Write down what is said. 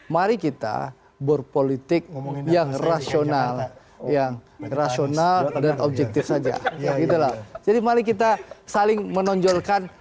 mari kita berpolitik yang rasional yang rasional dan objektif saja gitu loh jadi mari kita saling menonjolkan